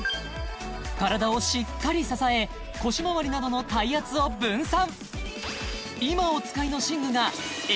体をしっかり支え腰まわりなどの体圧を分散